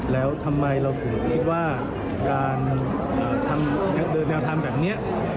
แล้วทำไมเราถูกคิดว่าการเอ่อทำเนื้อแนวทำแบบเนี้ย